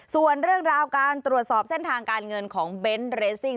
ส่วนเรื่องราวการตรวจสอบเส้นทางการเงินของเบนท์เรสซิ่ง